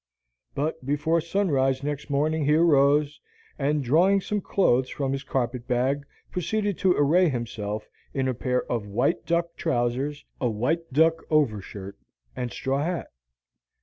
But before sunrise next morning he arose, and, drawing some clothes from his carpet bag, proceeded to array himself in a pair of white duck trousers, a white duck overshirt, and straw hat.